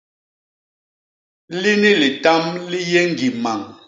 Lini litam li yé ñgi mañ.